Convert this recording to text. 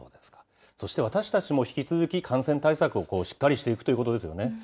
そして、私たちも引き続き、感染対策をしっかりしていくといそうですね。